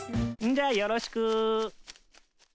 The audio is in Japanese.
じゃあよろしく。